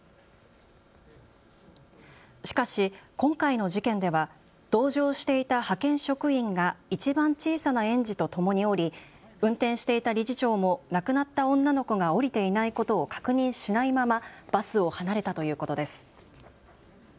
しかし今回の事件では同乗していた派遣職員がいちばん小さな園児とともに降り運転していた理事長も亡くなった女の子が降りていないことを確認しないままバスを離れたということです。